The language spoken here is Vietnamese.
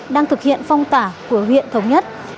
đang thực hiện phong tỏa của huyện thống nhất